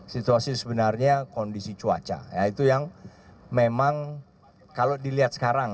situasi sebenarnya kondisi cuaca ya itu yang memang kalau dilihat sekarang